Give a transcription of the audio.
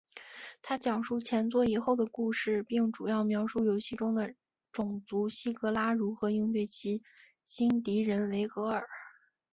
它讲述前作以后的故事并主要描述游戏中的种族希格拉如何应对其新敌人维格尔。